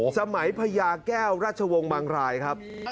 พญาแก้วราชวงศ์บางรายครับ